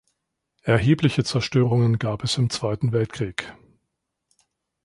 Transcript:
Erhebliche Zerstörungen gab es im Zweiten Weltkrieg.